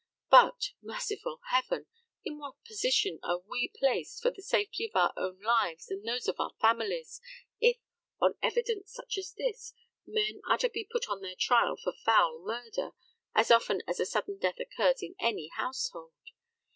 But, merciful heaven! in what position are we placed for the safety of our own lives and those of our families, if, on evidence such as this, men are to be put on their trial for foul murder as often as a sudden death occurs in any household!